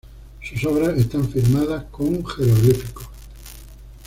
Sus obras están firmadas con un jeroglífico.